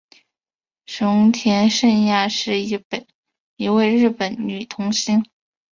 熊田圣亚是一位日本女童星。